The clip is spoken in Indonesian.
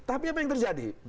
tapi apa yang terjadi